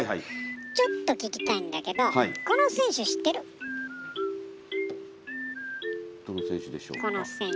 ちょっと聞きたいんだけどどの選手でしょうか。